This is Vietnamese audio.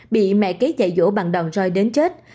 bị mẹ kế dạy dỗ bàn đòn roi đến chết